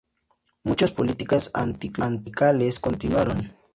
Muchas políticas anticlericales continuaron.